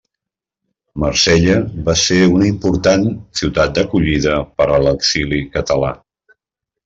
Marsella va ser una important ciutat d'acollida per a l'exili català.